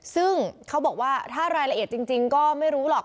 ซึ่งเขาบอกว่าถ้ารายละเอียดจริงก็ไม่รู้หรอก